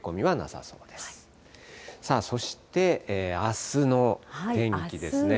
さあ、そしてあすの天気ですね。